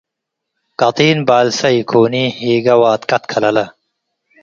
ቀጢን ባልሰ ኢኮኒ ሂገ ዋድቀት ከለለ